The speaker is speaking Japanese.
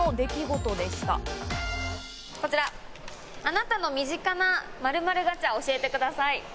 こちら、あなたの身近な○○ガチャを教えてください。